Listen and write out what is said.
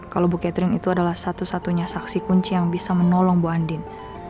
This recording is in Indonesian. kalau bu catherine itu adalah satu satunya saksi kunci yang bisa menolong bu andin